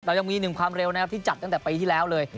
เรายังมีหนึ่งความเร็วนะครับที่จัดตั้งแต่ปีที่แล้วเลย